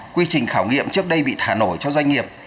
quy trình khảo nghiệm trước đây bị thả nổi cho doanh nghiệp